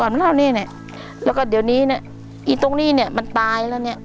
เมื่อก่อนมันเท่านี้